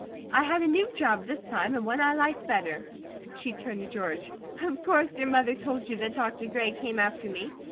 I had a NEW job this time, and one I liked better." She turned to George: "Of course your mother told you that Dr. Gray came after me.